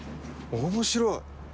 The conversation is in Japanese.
面白い。